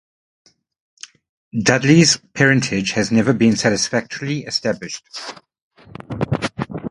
Dudley's parentage has never been satisfactorily established.